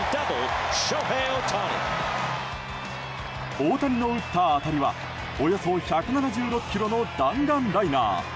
大谷の打った当たりはおよそ１７６キロの弾丸ライナー。